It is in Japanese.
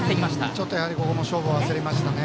ちょっと、ここも勝負を焦りましたね。